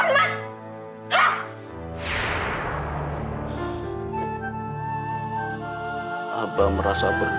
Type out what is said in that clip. aku akan datang datang datang